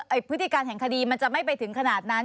พฤติการแห่งคดีมันจะไม่ไปถึงขนาดนั้น